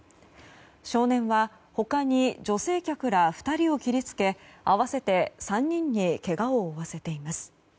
少年は他に女性客ら２人を切りつけ合わせて３人にけがを負わせています。